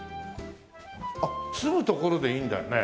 あっ住む所でいいんだよね？